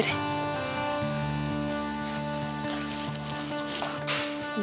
mereka pasti udah janji